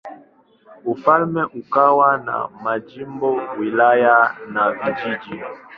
Ufalme ukawa na majimbo, wilaya na vijiji.